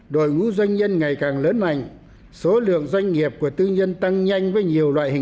đội ngũ doanh nhân ngày càng lớn mạnh số lượng doanh nghiệp của tư nhân tăng nhanh